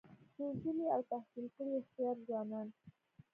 روزلي او تحصیل کړي هوښیار ځوانان